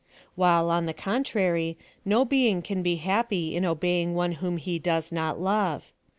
While, on the contrary, no being can be happy in obeying one whom he does not love.